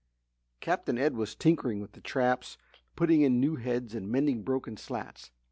Captain Ed was tinkering with the traps, putting in new heads and mending broken slats.